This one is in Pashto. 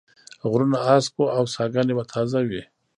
غرونه هسک و او ساګاني به تازه وې